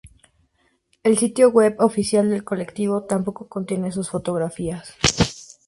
El sitio web oficial del colectivo tampoco contiene sus fotografías.